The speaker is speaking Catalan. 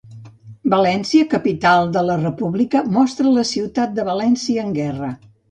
València, capital de la República mostra la ciutat de València en guerra.